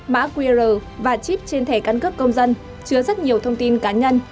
mã qr và chip trên thẻ căn cước công dân chứa rất nhiều thông tin cá nhân